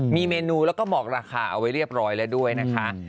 มีเมนูแล้วก็บอกราคาเอาไว้เรียบร้อยแล้วด้วยนะคะ